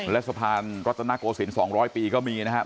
และสะพานรัตนโกศิลป๒๐๐ปีก็มีนะครับ